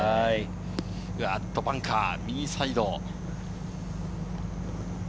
バンカー右サイド。